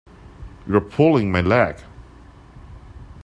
You're pulling my leg.